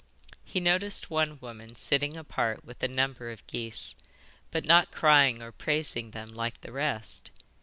He noticed one woman sitting apart with a number of geese, but not crying or praising them like the rest.